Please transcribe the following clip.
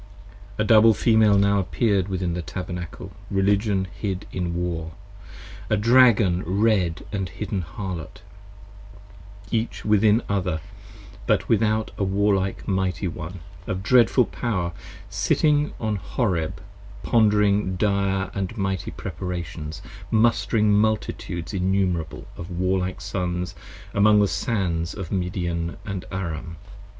A Double Female now appear'd within the Tabernacle, Religion hid in War, a Dragon red & hidden Harlot, Each within other, but without a Warlike Mighty one, 55 Of dreadful power, sitting upon Horeb pondering dire And mighty preparations, mustering multitudes innumerable Of warlike sons among the sands of Midian & Aram.